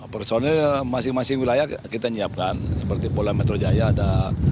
personil masing masing wilayah kita menyiapkan seperti pola metro jaya ada